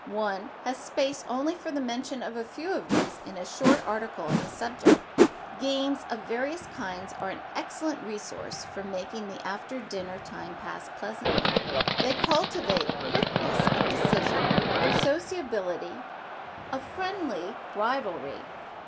One has space only for the mention of a few of these in a short article on the subject. Games of various kinds are an excellent resource for making the after dinner time pass pleasantly. They cultivate quickness of decision, sociability, a friendly rivalry.